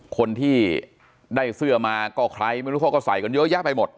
คนที่ได้เสื้อมาก็ใครไม่รู้เขาก็ใส่กันเยอะแยะไปหมด